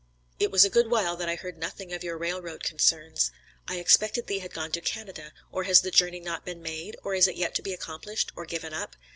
It was a good while that I heard nothing of your rail road concerns; I expected thee had gone to Canada, or has the journey not been made, or is it yet to be accomplished, or given up?